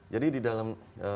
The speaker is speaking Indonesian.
jadi di dalam